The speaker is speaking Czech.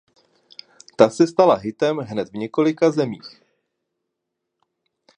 Ta se stala hitem hned v několika zemích.